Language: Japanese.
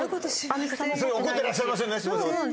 怒ってらっしゃいませんね？